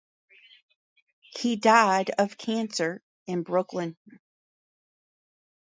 He died of cancer in Brooklyn.